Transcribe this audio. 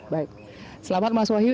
baik selamat mas wahyu